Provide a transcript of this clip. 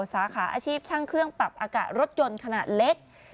สาขาอาชีพช่างเครื่องปรับอากาศรถยนต์ขนาดเล็ก